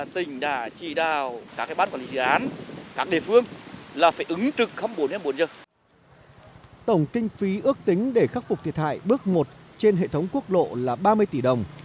tổng kinh phí ước tính để khắc phục thiệt hại bước một trên hệ thống quốc lộ là ba mươi tỷ đồng